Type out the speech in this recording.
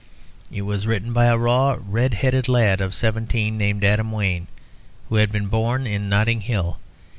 It was written by a raw, red headed lad of seventeen, named Adam Wayne, who had been born in Notting Hill.